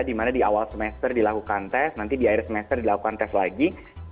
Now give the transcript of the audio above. dimana di awal semester dilakukan tes nanti di akhir semester dilakukan tes lagi